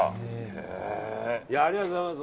ありがとうございます。